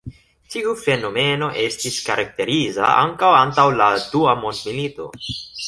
Tiu fenomeno estis karakteriza ankaŭ antaŭ la dua mondmilito.